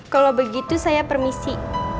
kalau begitu saya permisi